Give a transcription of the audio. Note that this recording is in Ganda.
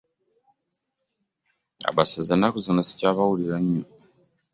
Abasezi ennaku zino ssikyabawulira nnyo.